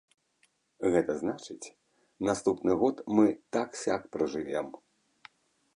Гэта значыць, наступны год мы так-сяк пражывем.